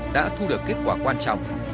đã thu được kết quả quan trọng